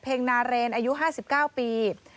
นาเรนอายุ๕๙ปี